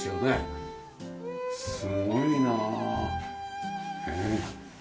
すごいなねえ。